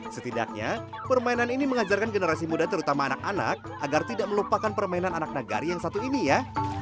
setidaknya permainan ini mengajarkan generasi muda terutama anak anak agar tidak melupakan permainan anak nagari yang satu ini ya